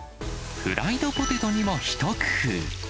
フライドポテトにも一工夫。